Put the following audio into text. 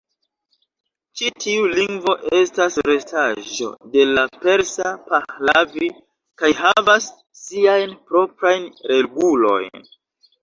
Ĉi tiu lingvo estas restaĵo de la persa Pahlavi kaj havas siajn proprajn regulojn.